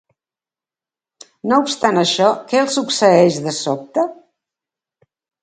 No obstant això, què els succeeix de sobte?